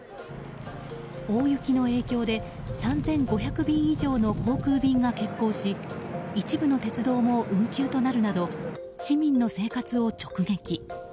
大雪の影響で３５００便以上の航空便が欠航し一部の鉄道も運休となるなど市民の生活を直撃。